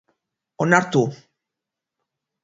Onartu.